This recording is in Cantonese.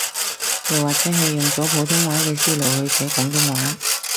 又或者係用咗普通話嘅思路去寫廣東話